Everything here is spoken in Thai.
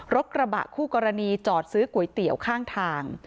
รถกระบะคู่กรณีจอดซื้อก๋วยเตี๋ยวข้างทาง